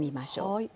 はい。